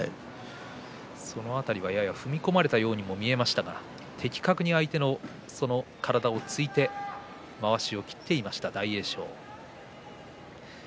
その辺りは少し踏み込まれたようにも見えましたが的確に相手の体を突いてまわしを切っていきました大栄翔。